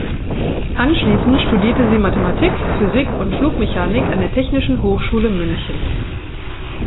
Anschließend studierte sie Mathematik, Physik und Flugmechanik an der Technischen Hochschule München.